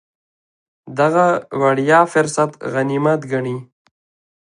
دغه وړیا فرصت غنیمت ګڼي.